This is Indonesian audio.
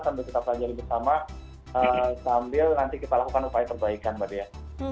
sambil kita pelajari bersama sambil nanti kita lakukan upaya perbaikan mbak dea